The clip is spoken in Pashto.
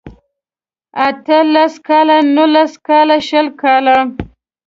اته لس کاله نولس کاله شل کاله